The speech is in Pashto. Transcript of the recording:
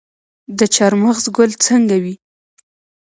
د چهارمغز ګل څنګه وي؟